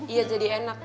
iya jadi enak